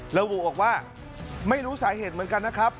ระบุบอกว่าไม่รู้สาเหตุเหมือนกันนะครับ